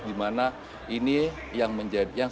dimana ini yang